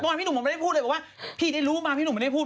พี่หนุ่มมันไม่ได้พูดเลยบอกว่าพี่ได้รู้มาพี่หนุ่มไม่ได้พูด